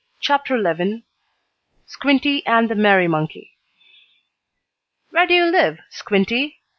CHAPTER XI SQUINTY AND THE MERRY MONKEY "Where do you live, Squinty?"